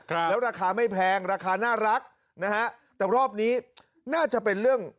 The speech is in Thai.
ครับแล้วราคาไม่แพงราคาน่ารักนะฮะแต่รอบนี้น่าจะเป็นเรื่อง